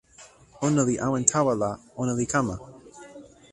ona li awen tawa la, ona li kama